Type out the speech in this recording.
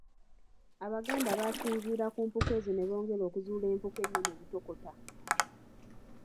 Abaganda baasinziira ku mpuku ezo ne bongera okuzuula empuku ennene Butokota.